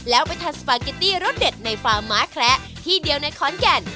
แล้วไปทานสปาเกตตี้รสเด็ดในฟาร์มม้าแคละที่เดียวในขอนแก่น